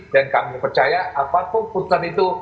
dan kami percaya apapun keputusan itu